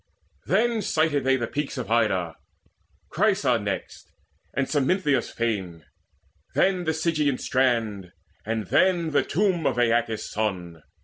Then sighted they the peaks Of Ida, Chrysa next, and Smintheus' fane, Then the Sigean strand, and then the tomb Of Aeacus' son.